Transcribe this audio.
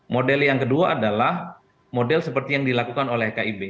model yang kedua adalah model seperti yang dilakukan oleh kib